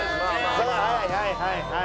はいはいはいはい。